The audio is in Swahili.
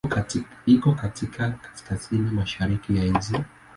Iko katika kaskazini-mashariki ya nchi.